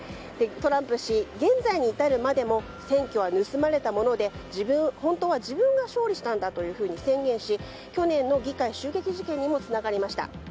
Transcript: トランプ氏、現在に至るまでも選挙は盗まれたもので本当は自分が勝利したんだと宣言し去年の議会襲撃事件にもつながりました。